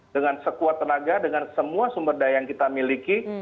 dengan sekuat tenaga dengan semua sumber daya yang kita miliki